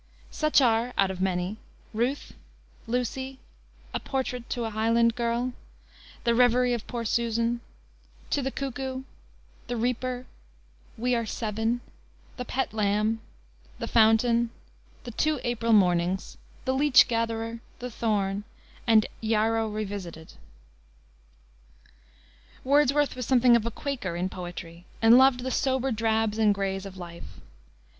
Such are (out of many) Ruth, Lucy, A Portrait, To a Highland Girl, The Reverie of Poor Susan, To the Cuckoo, The Reaper, We Are Seven, The Pet Lamb, The Fountain, The Two April Mornings, The Leech Gatherer, The Thorn, and Yarrow Revisited. Wordsworth was something of a Quaker in poetry, and loved the sober drabs and grays of life.